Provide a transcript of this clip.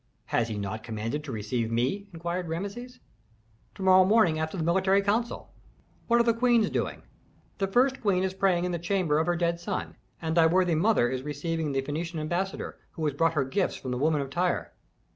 "Has he not commanded to receive me?" inquired Rameses. "To morrow morning after the military council." "What are the queens doing?" "The first queen is praying in the chamber of her dead son, and thy worthy mother is receiving the Phœnician ambassador, who has brought her gifts from the women of Tyre."